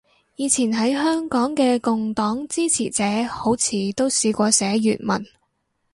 以前喺香港嘅共黨支持者好似都試過寫粵文